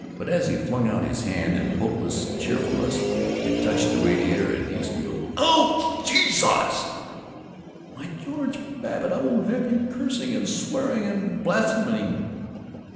But as he flung out his hand in hopeless cheerfulness it touched the radiator, and he squealed: "Ouch! Jesus!" "Why, George Babbitt, I won't have you cursing and swearing and blaspheming!"